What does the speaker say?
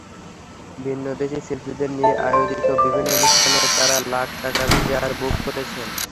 ভিনদেশি শিল্পীদের নিয়ে আয়োজিত বিভিন্ন অনুষ্ঠানে তাঁরা লাখ টাকায় চেয়ার বুক করেন।